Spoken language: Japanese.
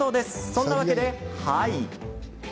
そんなわけで、はい！